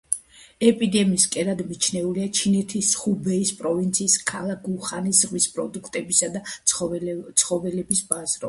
ეპიდემიის კერად მიჩნეულია ჩინეთის ხუბეის პროვინციის ქალაქ უხანის ზღვისპროდუქტებისა და ცხოველების ბაზრობა.